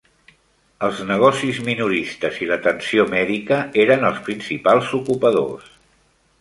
Els negocis minoristes i l'atenció mèdica eren els principals ocupadors.